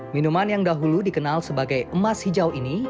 minuman yang dahulu dikenal sebagai emas hijau ini